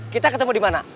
kita ketemu dimana